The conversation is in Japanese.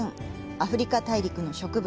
アフリカ大陸の植物